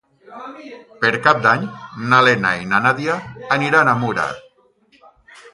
Per Cap d'Any na Lena i na Nàdia aniran a Mura.